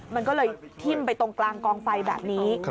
มันก็เลยทิ้มไปตรงกลางกองไฟแบบนี้